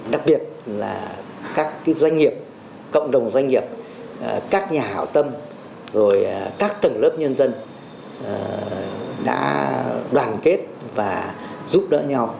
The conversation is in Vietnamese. đặc biệt là các doanh nghiệp cộng đồng doanh nghiệp các nhà hảo tâm rồi các tầng lớp nhân dân đã đoàn kết và giúp đỡ nhau